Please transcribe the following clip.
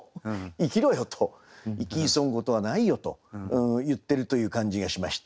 生き急ぐことはないよと言ってるという感じがしまして。